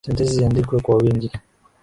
Sentensi ziandikwe kwa wingi